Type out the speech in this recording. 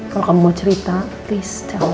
kalau kamu mau cerita please tell me